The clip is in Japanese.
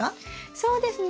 そうですね。